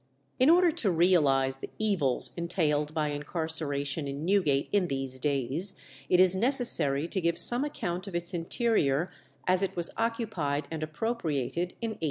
In order to realize the evils entailed by incarceration in Newgate in these days, it is necessary to give some account of its interior as it was occupied and appropriated in 1810.